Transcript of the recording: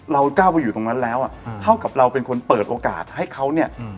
เราก้าวไปอยู่ตรงนั้นแล้วอ่ะเท่ากับเราเป็นคนเปิดโอกาสให้เขาเนี่ย